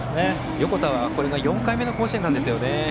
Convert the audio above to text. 横田はこれが４回目の甲子園なんですね。